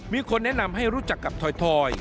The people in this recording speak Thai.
มีคนแนะนำให้รู้จักกับถอย